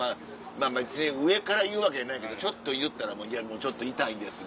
別に上から言うわけやないけどちょっと言ったら「いやもうちょっと痛いんです」